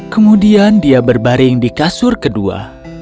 kemudian dia berbaring di kasur kedua